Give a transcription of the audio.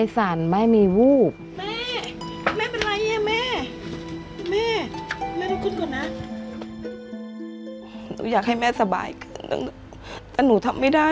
แต่หนูทำไม่ได้